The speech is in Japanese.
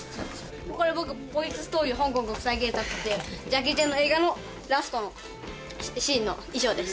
これ僕「ポリス・ストーリー／香港国際警察」ってジャッキー・チェンの映画のラストのシーンの衣装です